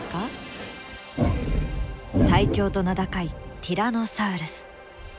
最強と名高いティラノサウルス。